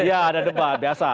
iya ada debat biasa